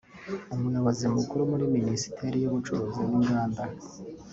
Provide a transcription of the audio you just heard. Umuyobozi mukuru muri Minisiteri y’Ubucuruzi n’inganda